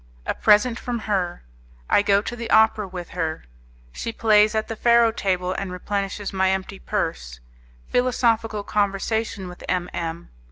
A Present From Her I Go to the Opera With Her She Plays At the Faro Table and Replenishes My Empty Purse Philosophical Conversation With M. M.